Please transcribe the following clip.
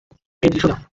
এই দৃশ্য দেখো।